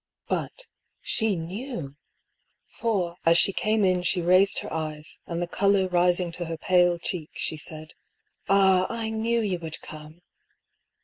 But — she knew ! For as she came in she raised her eyes, and the colour rising to her pale cheek she said :" Ah, I knew you would come